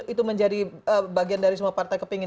itu menjadi bagian dari semua partai kepingin